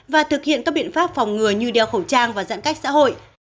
và thực hiện các biện pháp phòng ngừa như đeo khẩu trang và giãn cách xã hội